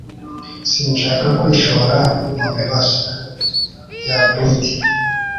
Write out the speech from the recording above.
Sinshaka kwishora mu bibazo. (Hybrid)